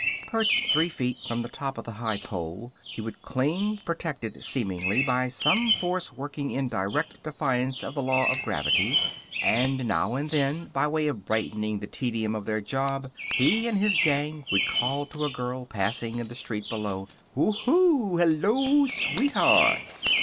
Perched three feet from the top of the high pole he would cling protected, seemingly, by some force working in direct defiance of the law of gravity. And now and then, by way of brightening the tedium of their job, he and his gang would call to a girl passing in the street below, "Hoo hoo! Hello, sweetheart!"